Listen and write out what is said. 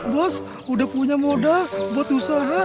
bos udah punya modal buat usaha